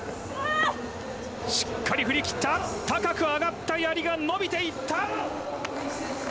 しっかり振り切った、高く上がったやりが伸びていった。